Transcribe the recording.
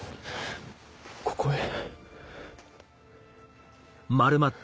ここへ。